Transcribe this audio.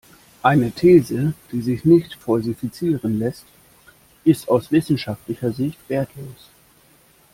Eine These, die sich nicht falsifizieren lässt, ist aus wissenschaftlicher Sicht wertlos.